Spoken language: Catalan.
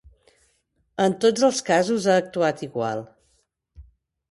En tots els casos ha actuat igual.